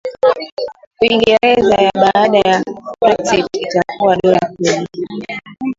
Uingereza ya baada ya Brexit itakuwa dola kubwa